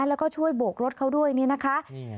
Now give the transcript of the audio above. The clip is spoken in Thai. แล้วก็ช่วยโบกรถเขาด้วยนี่นะคะ